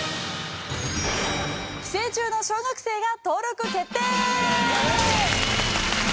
寄生虫の小学生が登録決定！